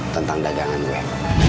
tentang dagangan gua